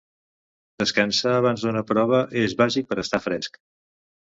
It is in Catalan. Descansar abans d’una prova és bàsic per a estar fresc.